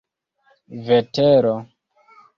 vetero